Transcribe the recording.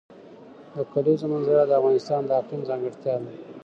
د کلیزو منظره د افغانستان د اقلیم ځانګړتیا ده.